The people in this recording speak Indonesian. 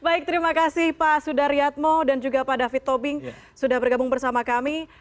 baik terima kasih pak sudaryatmo dan juga pak david tobing sudah bergabung bersama kami